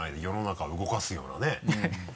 世の中を動かすようなね。